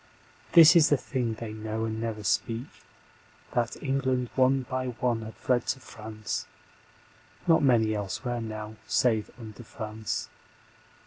This is the thing they know and never speak, That England one by one had fled to France (Not many elsewhere now save under France).